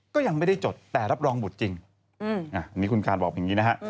ก็ยังไม่ได้จดแต่รับรองบุตรจริงนี่คุณการบอกอย่างนี้นะฮะ